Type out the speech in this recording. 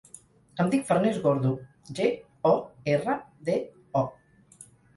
Em dic Farners Gordo: ge, o, erra, de, o.